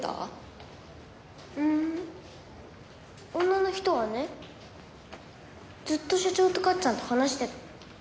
女の人はねずっと所長とかっちゃんと話してた。